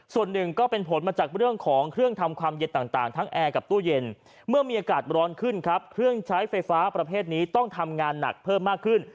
ส่วนหนึ่งก็เป็นผลมาจากเรื่องของเครื่องทำความเย็นต่างทั้งแอร์กับตู้เย็นเมื่อมีอากาศร้อนขึ้นครับเครื่องใช้ไฟฟ้าประเภทนี้ต้องทำงานหนักเพิ่มมากขึ้น